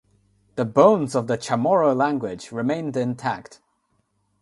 The bones of the Chamorro language remained intact.